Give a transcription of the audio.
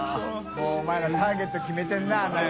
發お前らターゲット決めてるな何か。